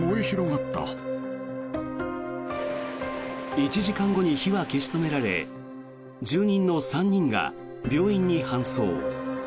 １時間後に火は消し止められ住人の３人が病院に搬送。